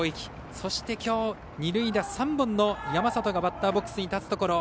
そして、きょう二塁打３本の山里がバッターボックスに立つところ。